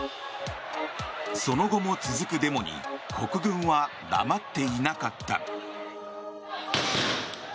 その後も続くデモに国軍は黙っていなかった。